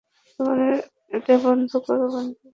তোমারা এটা বন্ধ করো, বন্ধ করো।